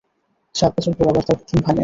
সাত বছর পর আবার তার ঘুম ভাঙে।